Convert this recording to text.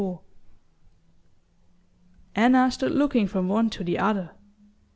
XXIV Anna stood looking from one to the other.